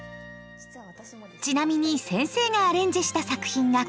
ちなみに先生がアレンジした作品がこちら。